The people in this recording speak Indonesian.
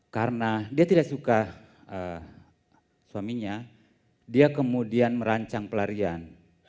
karena dia tidak suka suaminya dia kemudian merancang pelarian